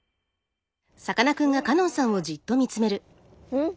うん！